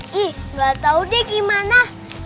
tidak tahu bagaimana